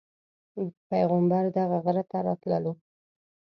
پیغمبر دغه غره ته راتللو.